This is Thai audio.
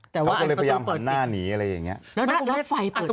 เขาก็เลยพยายามหันหน้านีอะไรอย่างเงี้ย